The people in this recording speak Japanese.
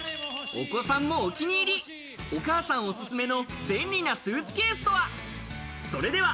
お子さんもお気に入り、お母さんおすすめの便利なスーツケースとは。